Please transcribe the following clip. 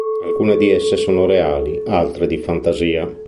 Alcune di esse sono reali, altre di fantasia.